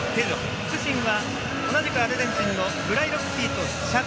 副審は、同じくアルゼンチンのブライロフスキーとチャデ。